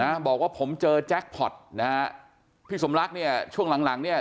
นะบอกว่าผมเจอแจ็คพอร์ตนะฮะพี่สมรักเนี่ยช่วงหลังหลังเนี่ย